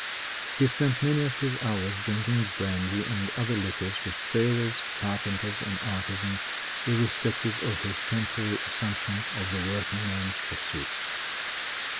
He spent many of his hours drinking brandy and other liquors with sailors, carpenters, and artisans, irrespective of his temporary assumption of the working man's pursuits.